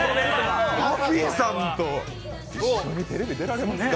ＰＵＦＦＹさんと一緒にテレビ出られるんですか？